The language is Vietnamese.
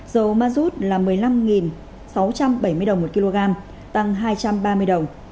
dầu mazut là một mươi năm sáu trăm bảy mươi đồng một kg tăng hai trăm năm mươi đồng